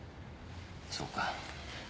そうか。